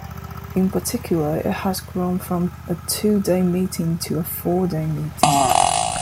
In particular, it has grown from a two-day meeting to a four-day meeting.